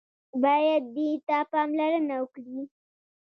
بايد دې ته پاملرنه وکړي.